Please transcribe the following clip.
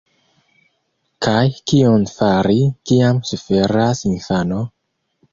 Kaj kion fari, kiam suferas infano?